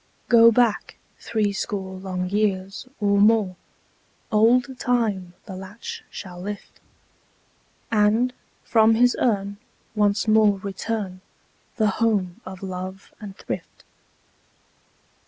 Go back threescore long years, or more: Old Time the latch shall lift, And, from his urn, once more return The home of love and thrift.